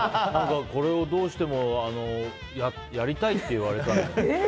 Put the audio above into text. これをどうしてもやりたいって言われたので。